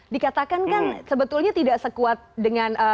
dikatakan kan sebetulnya tidak sekuat dengan